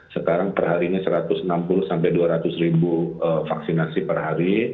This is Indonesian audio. sekarang perharinya satu ratus enam puluh dua ratus ribu vaksinasi perhari